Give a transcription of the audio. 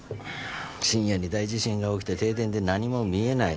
深夜に大地震が起きて停電で何も見えない。